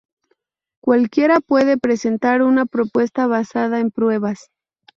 Cualquiera puede presentar una propuesta basada en pruebas.